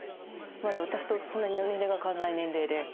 まだ私とそんなに年齢が変わらない年齢で。